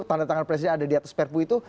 tanda tangan presiden ada di atas perpu itu